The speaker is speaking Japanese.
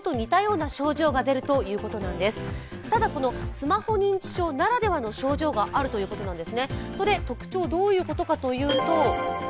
スマホ認知症ならではの症状があるということなんです。